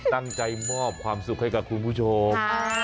ตั้งใจมอบความสุขให้กับคุณผู้ชม